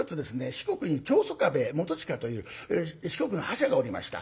四国に長宗我部元親という四国の柱がおりました。